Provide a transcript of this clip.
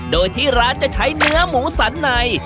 โดยที่ร้านจะใช้เนื้อหมูสันใน